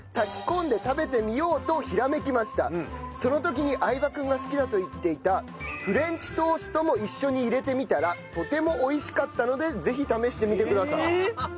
その時に相葉君が好きだと言っていたフレンチトーストも一緒に入れてみたらとても美味しかったのでぜひ試してみてください。